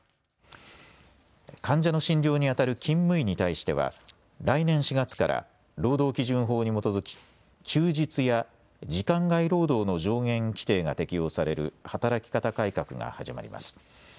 患者の診療にあたる勤務医に対しては来年４月から労働基準法に基づき休日や時間外労働の上限規定が適用される働き方改革が始まります。